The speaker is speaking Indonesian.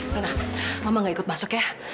nona mama tidak ikut masuk ya